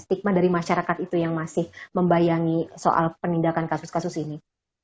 stigma dari masyarakat itu yang masih membayangi soal penindakan kasus kasus ini